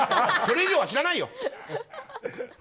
それ以上は知らないよ！